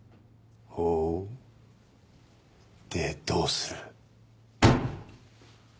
ほぉでどうする？